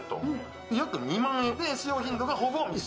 約２万円で使用頻度がほぼ一緒。